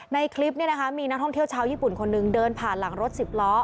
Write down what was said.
ในคลิปนี้นะคะมีนักท่องเที่ยวชาวญี่ปุ่นคนนึงเดินผ่านหลังรถสิบล้อ